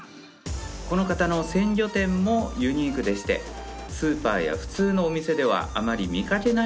この方の鮮魚店もユニークでしてスーパーや普通のお店ではあまり見かけない魚を扱ってるんです。